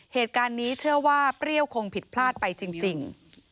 เหตุการณ์นี้เชื่อว่าเปรี้ยวคงผิดพลาดไปจริง